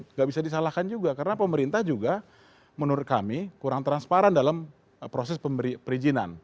tidak bisa disalahkan juga karena pemerintah juga menurut kami kurang transparan dalam proses perizinan